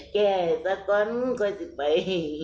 แก่สะก้อนก็จะไป